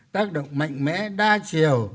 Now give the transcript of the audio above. tác động mạnh mẽ đa chiều